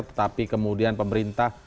tetapi kemudian pemerintah